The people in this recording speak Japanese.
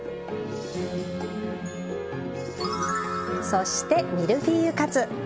そしてミルフィーユカツ。